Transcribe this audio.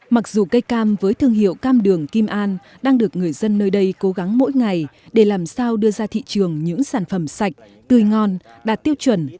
mặc dù cây cam với thương hiệu cam đường kim an đang được người dân nơi đây cố gắng mỗi ngày để làm sao đưa ra thị trường những sản phẩm sạch tươi ngon đạt tiêu chuẩn